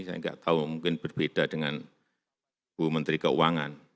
saya nggak tahu mungkin berbeda dengan bu menteri keuangan